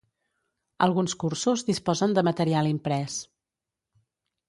Alguns cursos disposen de material imprès.